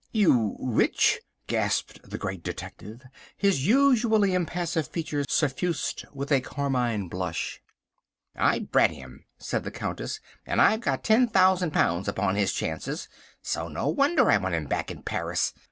"You which?" gasped the Great Detective, his usually impassive features suffused with a carmine blush. "I bred him," said the Countess, "and I've got £10,000 upon his chances, so no wonder I want him back in Paris.